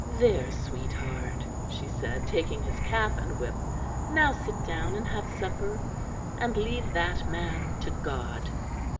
"There, sweetheart," she said, taking his cap and whip. "Now sit down and have supper, and leave that man to God."